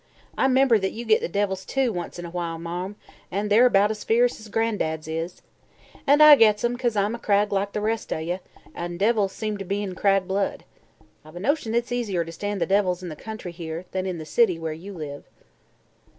I 'member that you git the devils, too, once in awhile, Marm, an' they're about as fierce as Gran'dad's is. An' I gets 'em 'cause I'm a Cragg like the rest o' you, an' devils seem to be in the Cragg blood. I've a notion it's easier to stand the devils in the country here, than in the city where you live."